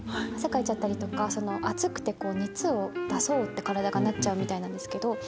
汗かいちゃったりとか暑くて熱を出そうって体がなっちゃうみたいなんですけど。